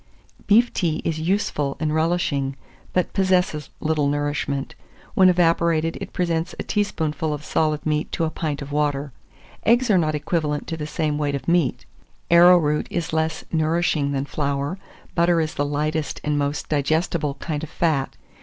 Beef tea is useful and relishing, but possesses little nourishment; when evaporated, it presents a teaspoonful of solid meat to a pint of water. Eggs are not equivalent to the same weight of meat. Arrowroot is less nourishing than flour. Butter is the lightest and most digestible kind of fat.